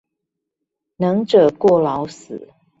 能者過勞死